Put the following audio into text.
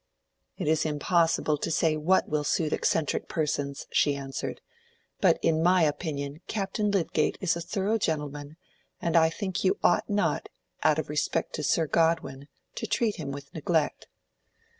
"It is impossible to say what will suit eccentric persons," she answered, "but in my opinion Captain Lydgate is a thorough gentleman, and I think you ought not, out of respect to Sir Godwin, to treat him with neglect."